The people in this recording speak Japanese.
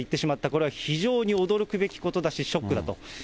これは非常に驚くべきことだしショックだと。